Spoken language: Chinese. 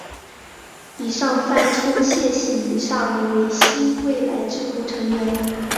以上泛称谢系以上为新未来智库成员。